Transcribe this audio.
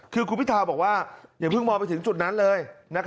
คือคุณพิทาบอกว่าอย่าเพิ่งมองไปถึงจุดนั้นเลย